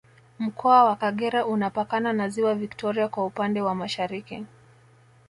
Mkoa wa Kagera unapakana na Ziwa Victoria kwa upande wa Mashariki